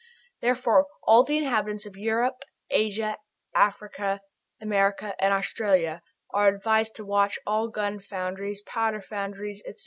Therefore all the inhabitants of Europe, Africa, Asia, America, and Australia are advised to watch all gun foundries, powder factories, etc.